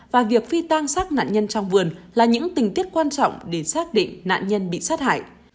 và việc phi tang sát nạn nhân trong vườn là những tình tiết quan trọng để xác định nạn nhân bị sát hại